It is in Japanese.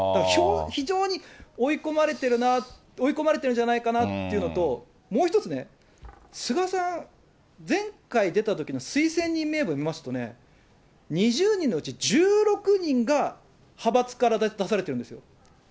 非常に追い込まれてるな、追い込まれてるんじゃないかなっていうのと、もう一つね、菅さん、前回出たときの推薦人名簿見ますとね、２０人のうち１６人が、派閥から出されてるんですよ。